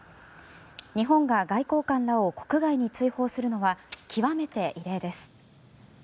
日本が外交官らを国外に追放するのは極めて異例です。